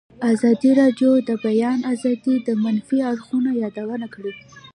ازادي راډیو د د بیان آزادي د منفي اړخونو یادونه کړې.